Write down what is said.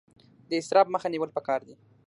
د اسراف مخه نیول پکار دي